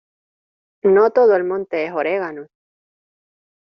No todo el monte es orégano.